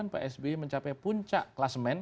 dua ribu sembilan psb mencapai puncak kelasmen